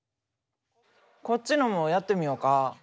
こっちのもやってみよか。